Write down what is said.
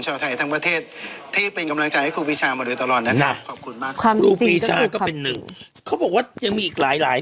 หรือไม่นะครับก็ได้ตรวจสอบเรียบร้อยแล้ว